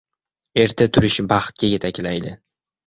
• Erta turish baxtga yetaklaydi.